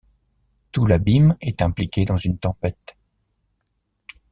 Tout l’abîme est impliqué dans une tempête.